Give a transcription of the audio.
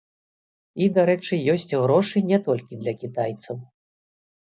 І, дарэчы, ёсць грошы не толькі для кітайцаў.